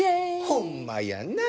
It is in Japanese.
ほんまやなあ。